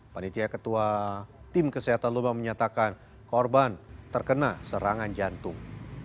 panitia ketua tim kesehatan lubang menyatakan korban terkena serangan jantung